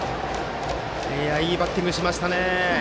いいバッティングしましたね。